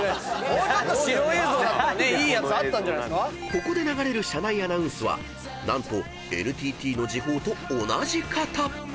［ここで流れる車内アナウンスは何とＮＴＴの時報と同じ方］